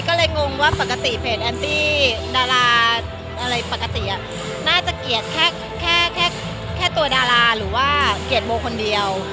ก็เลยงงว่าปกติเพจแอนตี้ดาราอะไรปกติน่าจะเกลียดแค่แค่ตัวดาราหรือว่าเกลียดโมคนเดียว